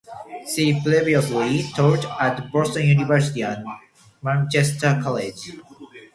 She previously taught at Boston University and Macalester College.